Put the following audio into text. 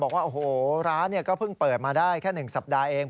บอกว่าโอ้โหร้านก็เพิ่งเปิดมาได้แค่๑สัปดาห์เอง